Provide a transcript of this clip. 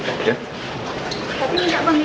tapi minta pemilu ulang mas